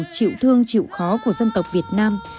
chịu thương chịu khó của dân tộc việt nam